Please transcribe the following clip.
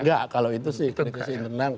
enggak kalau itu sih komunikasi internal